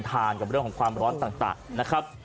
ภายใจเรื่องของร้อนต่างนะครับ